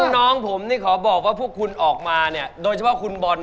น้องผมนี่ขอบอกว่าพวกคุณออกมาเนี่ยโดยเฉพาะคุณบอล